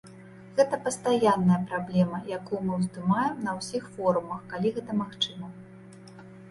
Гэта пастаянная праблема, якую мы ўздымаем на ўсіх форумах, калі гэта магчыма.